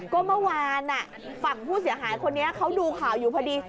ก็เมื่อวานฝั่งผู้เสียหายคนนี้เขาดูข่าวอยู่พอดี